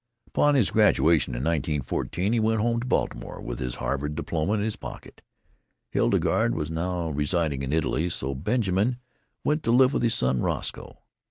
Upon his graduation in 1914 he went home to Baltimore with his Harvard diploma in his pocket. Hildegarde was now residing in Italy, so Benjamin went to live with his son, Roscoe.